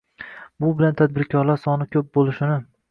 Bu bilan tadbirkorlar soni ko‘p bo‘lishini